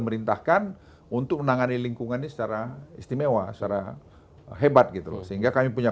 merintahkan untuk menangani lingkungan ini secara istimewa secara hebat gitu sehingga kami punya